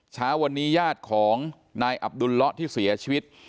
สถานการณ์วันนี้ยาดของนายอับดูลเหล้าที่เสียชีวิต